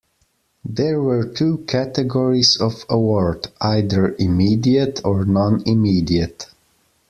There were two categories of award, either "Immediate" or "Non-Immediate".